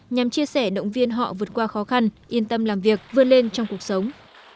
nhằm chia sẻ động viên họ vượt qua khó khăn yên tâm làm việc vươn lên trong cuộc sống